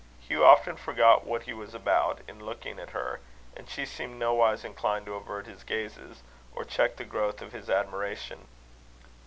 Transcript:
Hugh often forgot what he was about, in looking at her; and she seemed nowise inclined to avert his gazes, or check the growth of his admiration.